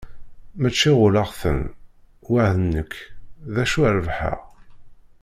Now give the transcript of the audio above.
Mačči ɣulleɣ-ten, wah nekk d acu rebḥeɣ?